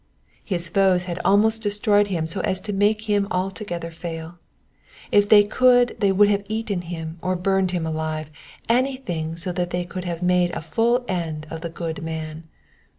''^ His foes had almost destroyed him so as to make him altogether fail. If they could they would have eaten him, or burned him alive ; anything so that they could have made a full end of the good man.